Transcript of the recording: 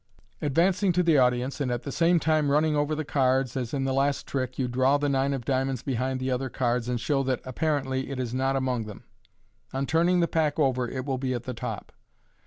'* Advancing to the audience, and at the same time running over the cards, as in the last trick, you draw the nine of diamonds behind the other cards, and show that, apparently, it is not among them. On turning the pack over it will be at the top.